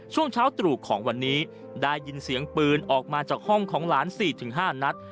ช่วงเช้าตรู่ของวันนี้ได้ยินเสียงปืนออกมาจากห้องของหลาน๔๕นัด